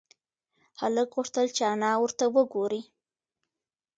هلک غوښتل چې انا ورته وگوري.